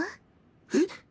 えっ！